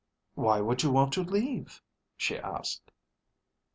"Why would you want to leave?" she asked.